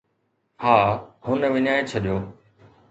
ها، هن وڃائي ڇڏيو